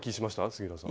杉浦さん。